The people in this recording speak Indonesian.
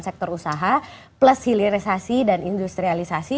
sektor usaha plus hilirisasi dan industrialisasi